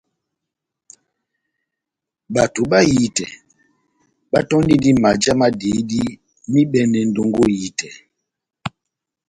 Bato bahitɛ batɔ́ndindi majá ma dihidi m'ibɛne ndongo ehitɛ.